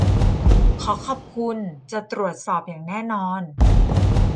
ขอขอบคุณ. จะตรวจสอบอย่างแน่นอน